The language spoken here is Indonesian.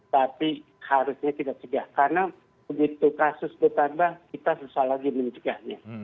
tapi harusnya tidak cegah karena begitu kasus bertambah kita susah lagi mencegahnya